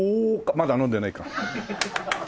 まだ飲んでないか。